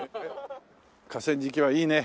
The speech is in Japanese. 河川敷はいいねねっ。